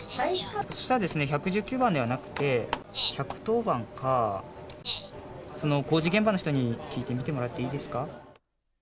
そうしたらですね、１１９番ではなくて、１１０番か、その工事現場の人に聞いてみてもらっていいですか。